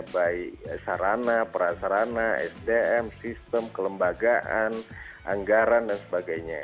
baik sarana prasarana sdm sistem kelembagaan anggaran dan sebagainya